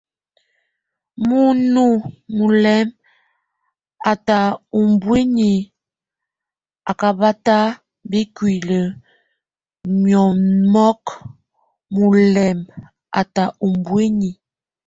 Númue mulɛmb atʼ umbuiny a kabata bikúli niomok, mulɛmb atʼ umbuiny.